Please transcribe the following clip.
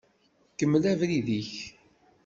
Kemmel abrid-ik.